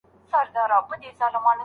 خاوند باید ناوړه استفاده ونه کړي.